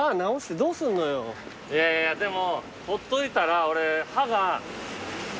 いやいやでもほっといたら俺歯が。